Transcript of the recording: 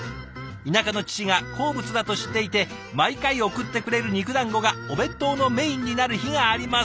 田舎の父が好物だと知っていて毎回送ってくれる肉だんごがお弁当のメインになる日があります」。